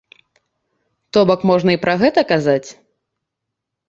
То-бок можна і пра гэта казаць.